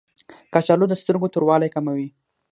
کچالو د سترګو توروالی کموي